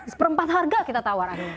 seperempat harga kita tawar